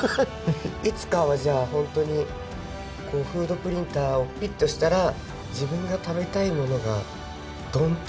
いつかはじゃあ本当にこうフードプリンターをピッとしたら自分が食べたいものがドンって。